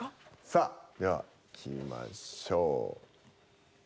さあではいきましょう。